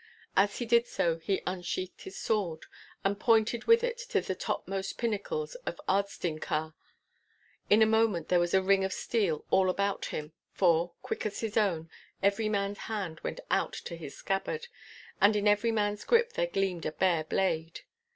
As he did so he unsheathed his sword, and pointed with it to the topmost pinnacles of Ardstinchar. In a moment there was a ring of steel all about him, for, quick as his own, every man's hand went out to his scabbard, and in every man's grip there gleamed a bare blade.